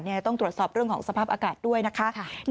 ต้องตรวจสอบเรื่องของสภาพอากาศด้วยนะคะ